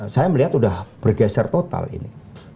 saya melihat sudah bergeser total ini